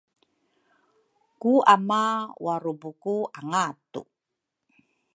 ku ama warubu ku angatu.